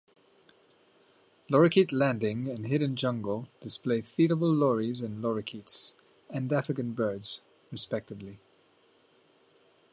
Lorikeet Landing and Hidden Jungle display feedable Lories and lorikeets, and African birds, respectively.